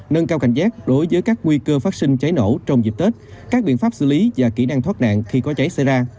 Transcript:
nâng cao cảnh giác đối với các nguy cơ phát sinh cháy nổ trong dịp tết các biện pháp xử lý và kỹ năng thoát nạn khi có cháy xảy ra